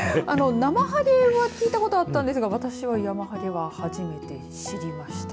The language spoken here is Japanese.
ナマハゲは聞いたことあったんですけど私はヤマハゲは初めて知りました。